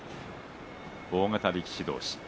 大型力士同士。